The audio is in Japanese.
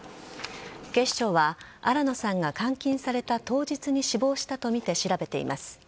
警視庁は新野さんが監禁された当日に死亡したとみて調べています。